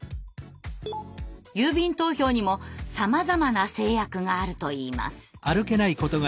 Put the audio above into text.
郵便投票にもさまざまな制約があるといいます。